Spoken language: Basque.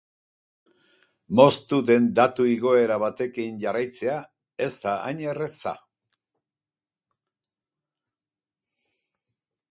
Moztu den datu igoera batekin jarraitzea ez da hain erraza.